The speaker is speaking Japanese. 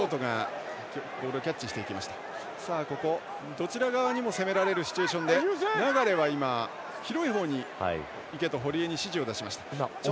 どちら側にも攻められるシチュエーションで流は広い方に行けと堀江に指示を出しました。